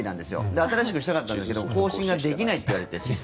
新しくしたかったんだけど更新がシステム上できないって言われて。